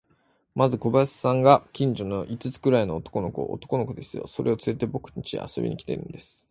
まず小林さんが、近所の五つくらいの男の子を、男の子ですよ、それをつれて、ぼくんちへ遊びに来るんです。